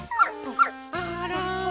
あら。